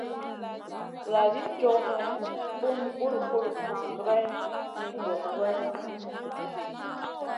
Vuladid cow geyn, bun vul kuluf ma greyn mi gros goroyna.